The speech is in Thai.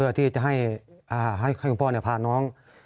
มาจะที่จะให้คุณพ่อภารกิจกร